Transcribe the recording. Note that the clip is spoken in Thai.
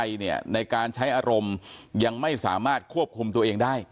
ตัดสินใจเนี่ยในการใช้อารมณ์ยังไม่สามารถควบคุมตัวเองได้